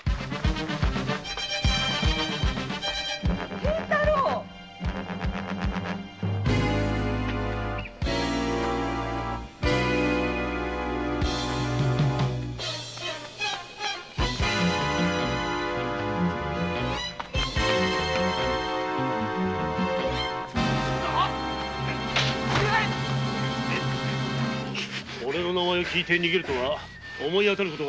平太郎オレの名前を聞いて逃げるとは思い当たる事が。